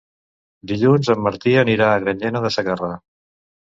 Dilluns en Martí anirà a Granyena de Segarra.